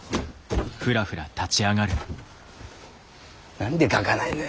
何で書かないのよ。